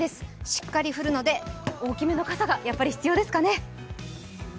しっかり降るので、大きめの傘が必要ですかね。